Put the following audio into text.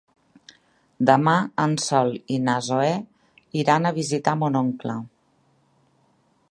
Demà en Sol i na Zoè iran a visitar mon oncle.